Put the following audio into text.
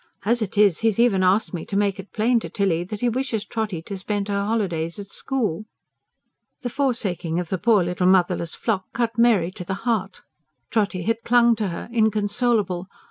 As it is, he's even asked me to make it plain to Tilly that he wishes Trotty to spend her holidays at school." The forsaking of the poor little motherless flock cut Mary to the heart. Trotty had dung to her, inconsolable.